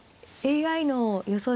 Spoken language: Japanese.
ＡＩの予想